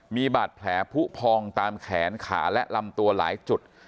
มีบาดแผลผู้พองตามแขนขาและลำตัวหลายจุด